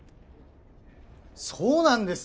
そうなんですね！